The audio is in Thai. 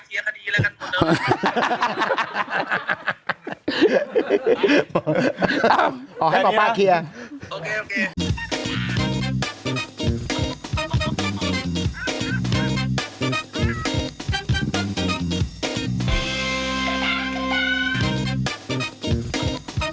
ก็เหมาะป่าเคียร์ขนาดนี้กัน